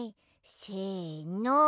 せの。